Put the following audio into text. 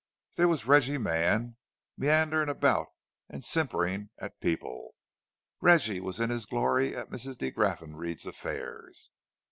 There was Reggie Mann, meandering about and simpering at people. Reggie was in his glory at Mrs. de Graffenried's affairs.